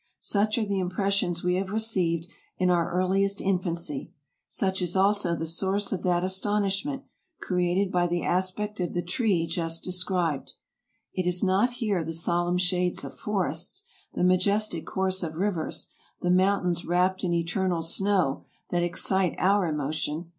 Such are the impressions we have received in our earliest infancy ; such is also the source of that aston ishment created by the aspect of the tree just described. It is not here the solemn shades of forests, the majestic course of rivers, the mountains wrapped in eternal snow, that excite our emotion.